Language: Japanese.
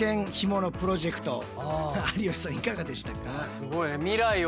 すごいね。